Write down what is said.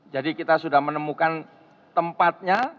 jadi kita sudah menemukan tempatnya